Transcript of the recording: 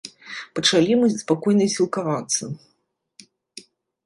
Пачалі мы спакойна сілкавацца.